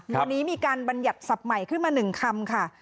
วันนี้มีการบรรยัติศัพท์ใหม่ขึ้นมา๑คำค่ะ